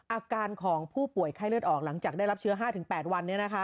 อาการของผู้ป่วยไข้เลือดออกหลังจากได้รับเชื้อ๕๘วัน